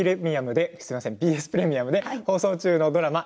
ＢＳプレミアムで放送中のドラマ